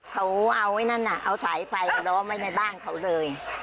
เขาเอาไอ้นั่นน่ะเอาสายไฟล้อมไว้ในบ้านเขาเลย